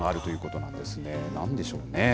なんでしょうね。